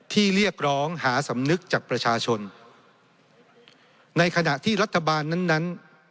เรียกร้องหาสำนึกจากประชาชนในขณะที่รัฐบาลนั้นนั้น